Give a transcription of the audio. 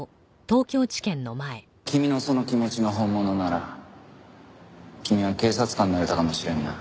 君のその気持ちが本物なら君は警察官になれたかもしれんな。